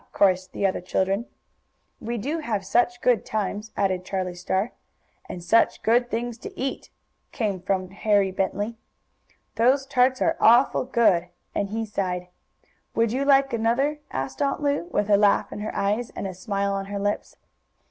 chorused the other children. "We do have such good times!" added Charlie Star. "And such good things to eat," came from Harry Bentley. "Those tarts are awful good!" and he sighed. "Would you like another?" asked Aunt Lu, with a laugh in her eyes and a smile on her lips.